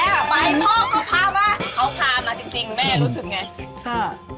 เขาพามาจริงแม่รู้สึกอย่างไร